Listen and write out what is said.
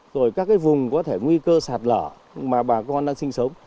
rồi các cái vùng có thể nguy cơ sạt lở mà bà con đang sinh sống